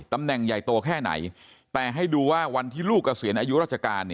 ตำแหน่งใหญ่โตแค่ไหนแต่ให้ดูว่าวันที่ลูกเกษียณอายุราชการ